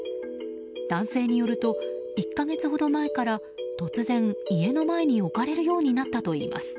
男性によると、１か月ほど前から突然、家の前に置かれるようになったといいます。